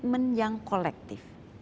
komitmen yang kolektif